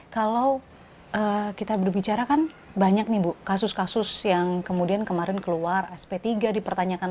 kalau kita berbicara kan banyak nih bu kasus kasus yang kemudian kemarin keluar sp tiga dipertanyakan